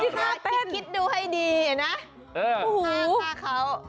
คิดดูให้ดีนะ